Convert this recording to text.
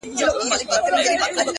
و ذهن ته دي بيا د بنگړو شرنگ در اچوم،